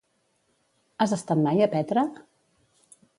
Has estat mai a Petra?